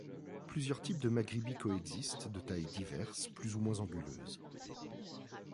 Plusieurs types de maghribi coexistent, de taille diverse, plus ou moins anguleuses.